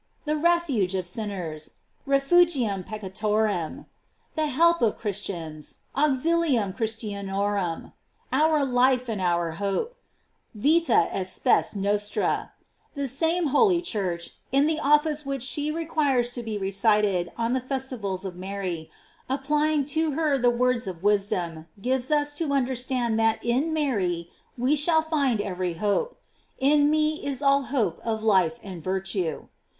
The Refuge of sin ners: "Refugium peccatorem." The Help of Christians: "Auxiliumchristianorum." Our life *nd our hope: "Vita et spes nostra." The same 174 GLORIES OF MART. holy Church, in the office which she requires to be recited on the Festivals of Mary, applying to her the words of Wisdom, gives us to under stand that in Mary we shall find every hope: "In me is all hope of life and virtue."